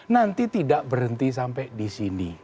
nanti tidak berhenti sampai di sini